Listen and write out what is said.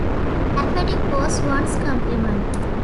Arithmetic was one's complement.